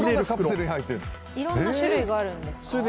いろんな種類があるんですか。